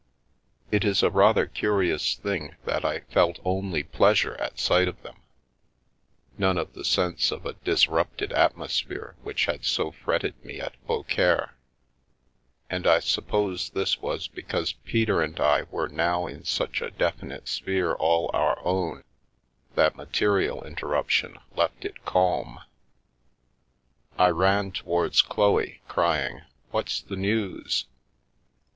It is a rather curious thing that I felt only pleasure at sight of them, none of the sense of a disrupted atmos phere which had so fretted me at Beaucaire, and I sup pose this was because Peter and I were now in such a definite sphere all of our own, that material interruption left it calm. I ran towards Chloe, crying " What's the news